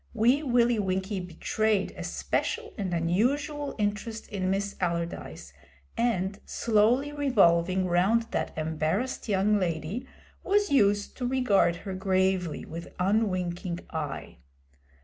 Wee Willie Winkie betrayed a special and unusual interest in Miss Allardyce, and, slowly revolving round that embarrassed young lady, was used to regard her gravely with unwinking eye.